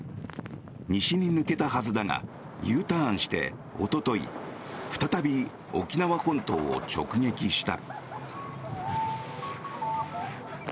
西に抜けたはずだがＵターンしておととい再び、沖縄本島を直撃した。